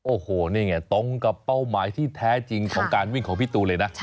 โอ้โหนี่ไงตรงกับเป้าหมายที่แท้จริงของการวิ่งของพี่ตูนเลยนะ